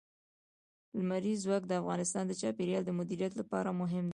لمریز ځواک د افغانستان د چاپیریال د مدیریت لپاره مهم دي.